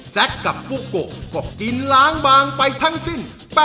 กับบุโกะก็กินล้างบางไปทั้งสิ้น